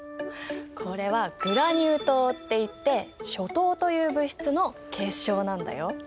これはグラニュー糖っていってショ糖という物質の結晶なんだよ。